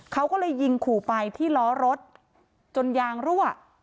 เขาก็เลยยิงขู่ไปที่ล้อรถจนยางรั่ว